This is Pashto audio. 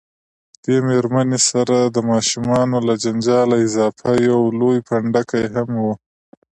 دې میرمنې سره د ماشومانو له جنجاله اضافه یو لوی پنډکی هم و.